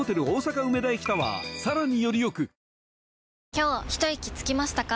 今日ひといきつきましたか？